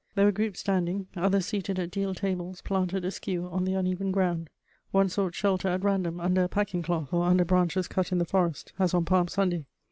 There were groups standing, others seated at deal tables planted askew on the uneven ground. One sought shelter at random under a packing cloth or under branches cut in the forest, as on Palm Sunday.